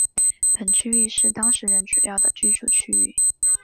本区域是当时人主要的居住区域。